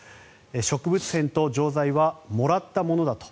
植物片と錠剤はもらったものだと。